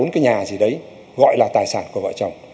một hai ba bốn cái nhà gì đấy gọi là tài sản của vợ chồng